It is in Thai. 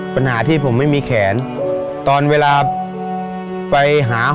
ปัญหาที่ผมไม่มีแขนตอนเวลาไปหา